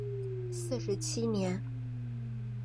四十七年。